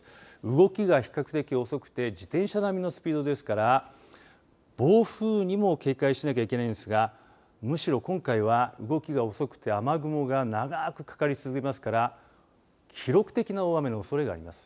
動きが比較的遅くて自転車並みのスピードですから暴風にも警戒しなければいけないんですがむしろ今回は動きが遅くて雨雲が長くかかり続けますから記録的な大雨のおそれがあります。